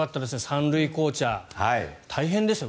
３塁コーチャー大変ですよね。